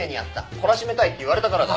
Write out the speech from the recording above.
懲らしめたいって言われたからだ。